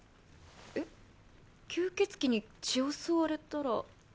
吸血鬼に血を吸われたら。